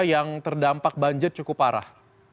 yang terdampak banjir cukup parah